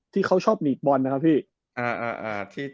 ที่เขาชอบหนีบบอลนะครับพี่